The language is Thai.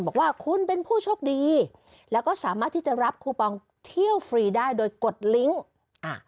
บอกว่าคุณเป็นผู้โชคดีแล้วก็สามารถที่จะรับคูปองเที่ยวฟรีได้โดยกดลิงค์อ่า